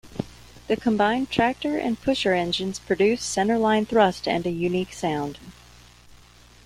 The combined tractor and pusher engines produce centerline thrust and a unique sound.